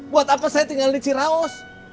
buat apa saya tinggal di ciraus